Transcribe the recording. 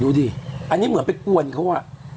ดูดิอันนี้เหมือนไปกวนเขาอ่ะ